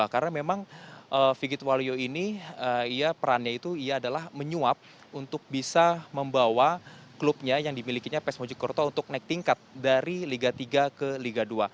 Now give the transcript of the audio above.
karena memang figit waluyo ini perannya itu ia adalah menyuap untuk bisa membawa klubnya yang dimilikinya pesmo jokerto untuk naik tingkat dari liga tiga ke liga dua